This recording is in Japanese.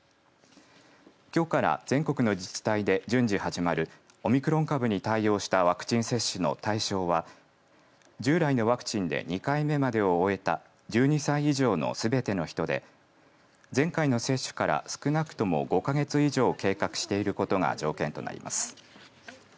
きょうから全国の自治体で順次始まるオミクロン株に対応したワクチン接種の対象は従来のワクチンで２回目までを終えた１２歳以上のすべての人で前回の接種から少なくとも５か月以上経過していることが条件となります。